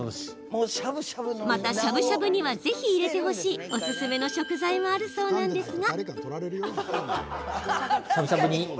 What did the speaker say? また、しゃぶしゃぶにはぜひ入れてほしいおすすめの食材もあるそうなんですが。